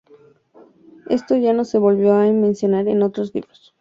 Esto ya no se volvió a mencionar en otros libros.